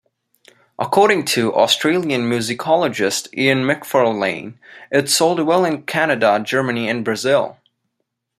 According to Australian musicologist, Ian McFarlane, it sold well in Canada, Germany and Brazil.